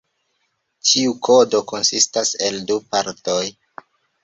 Ĉiu kodo konsistas el du partoj.